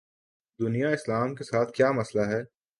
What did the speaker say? دنیائے اسلام کے ساتھ کیا مسئلہ ہے؟